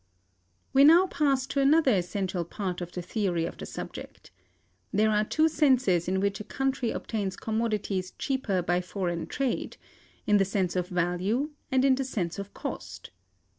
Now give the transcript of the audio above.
We now pass to another essential part of the theory of the subject. There are two senses in which a country obtains commodities cheaper by foreign trade: in the sense of value and in the sense of cost: (1.)